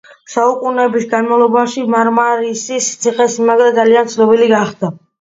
საუკუნეების განმავლობაში მარმარისის ციხესიმაგრე ძალიან ცნობილი გახდა.